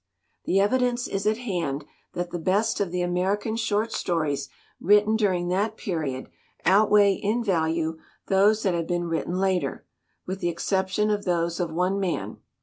"The evidence is at hand that the best of the American short stories written during that period 94 DETERIORATION outweigh in value those that have been written later with the exception of those of one man.